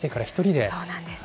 そうなんです。